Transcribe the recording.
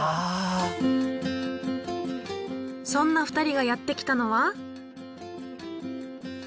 そんな２人がやって来たのは。